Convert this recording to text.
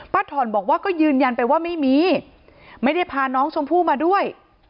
ถ่อนบอกว่าก็ยืนยันไปว่าไม่มีไม่ได้พาน้องชมพู่มาด้วย